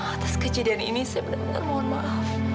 atas kejadian ini saya benar benar mohon maaf